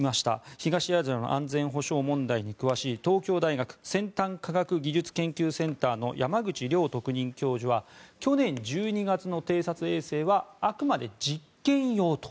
東アジアの安全保障問題に詳しい東京大学先端科学技術研究センターの山口亮特任助教は去年１２月の偵察衛星はあくまで実験用と。